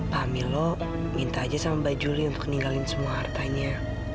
pak amilo minta aja sama mbak juli untuk ninggalin semua hartanya